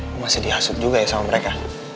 aku masih dihasut juga ya sama mereka